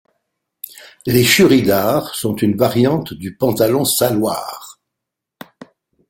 Les churidars sont une variante du pantalon salwar.